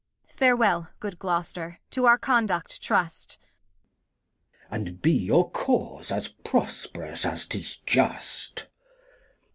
Farewel, good Gloster, to our conduct trust. Glost. And be your Cause as prosp'rous as 'tis just.